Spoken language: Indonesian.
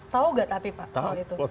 tau gak tapi pak soal itu